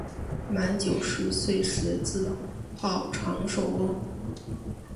满九十岁时自号长寿翁。